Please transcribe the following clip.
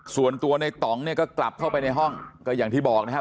ส่วนตัวในต่องเนี่ยก็กลับเข้าไปในห้องก็อย่างที่บอกนะครับ